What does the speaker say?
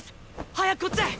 早くこっちへ。